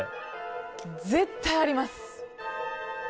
絶対あります。